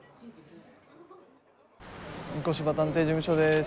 御子柴探偵事務所です。